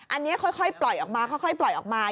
อันนี้ค่อยปล่อยออกมาค่อยปล่อยออกมา